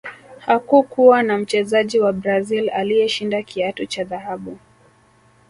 hakukuwa na mchezaji wa brazil aliyeshinda kiatu cha dhahabu